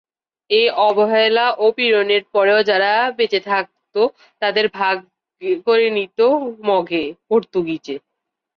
এ অবহেলা ও পীড়নের পরেও যারা বেঁচে থাকত তাদেরকে ভাগ করে নিত মগে-পর্তুগীজে।